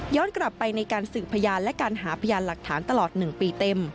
กลับไปในการสืบพยานและการหาพยานหลักฐานตลอด๑ปีเต็ม